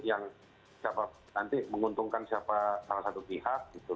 siapa nanti menguntungkan siapa salah satu pihak gitu kan